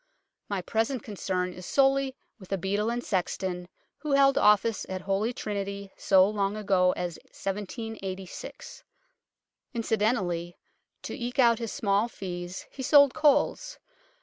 My present concern is sorely with a beadle and sexton, who held office at Holy Trinity so long ago as 1786. Incident ally, to eke out his small fees, he sold coals.